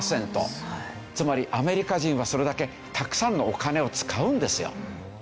つまりアメリカ人はそれだけたくさんのお金を使うんですよ。